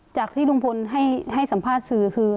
จากที่ลุงพลให้สัมภาษณ์สื่อคือ